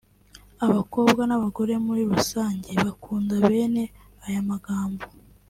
Abakobwa n'abagore muri rusange bakunda bene aya magambo